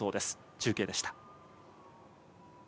中継でした。